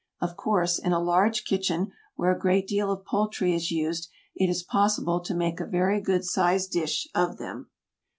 Of course in a large kitchen where a great deal of poultry is used it is possible to make a very good sized dish of them.